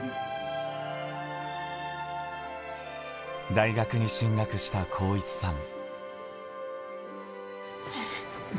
大学に進学した航一さん。